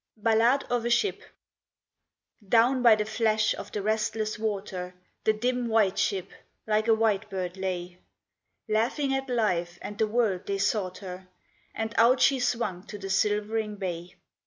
Ballade of a Ship Down by the flash of the restless water The dim White Ship like a white bird lay; Laughing at life and the world they sought her, And out she swung to the silvering bay.